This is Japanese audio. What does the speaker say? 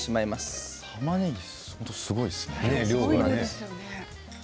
本当にたまねぎすごい量ですね。